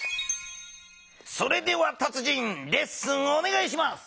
それでは達人レッスンおねがいします。